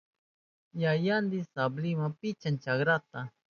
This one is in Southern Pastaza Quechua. Yayayni sabliwa pichan chakranta.